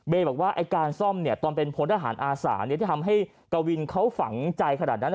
บอกว่าไอ้การซ่อมตอนเป็นพลทหารอาสาที่ทำให้กวินเขาฝังใจขนาดนั้น